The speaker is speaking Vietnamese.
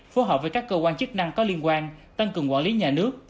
phối hợp với các cơ quan chức năng có liên quan tăng cường quản lý nhà nước